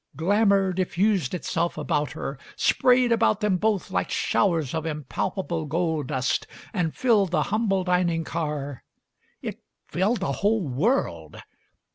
Glamour diffused itself about her, sprayed about them both like showers of impalpable gold dust, and filled the humble dining car — it filled the whole world.